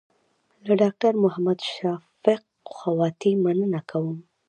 له ډاکټر محمد شفق خواتي مننه کوم.